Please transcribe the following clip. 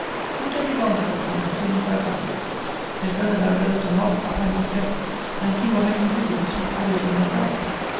But get thee gone to Belton, as soon as thou canst. Yet whether thou goest or not, up I must go, and see what I can do with the sweet oddity myself.